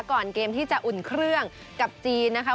ก่อนเกมที่จะอุ่นเครื่องกับจีนนะคะ